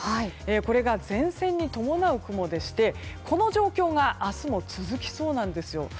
これが前線に伴う雲でしてこの状況が明日も続きそうなんですよ。